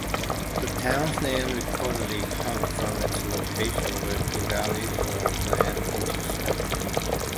The town's name reportedly comes from its location where two valleys, or glens, intersect.